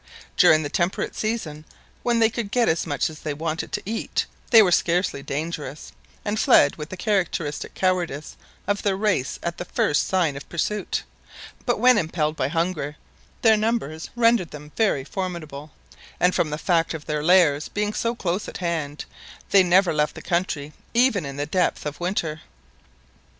During the temperate season, when they could get as much as they wanted to eat, they were scarcely dangerous, and fled with the characteristic cowardice of their race at the first sign of pursuit; but when impelled by hunger, their numbers rendered them very formidable; and from the fact of their lairs being close at hand, they never left the country even in the depth of winter.